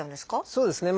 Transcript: そうですね。